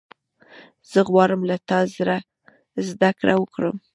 زه غواړم له تا زدهکړه وکړم.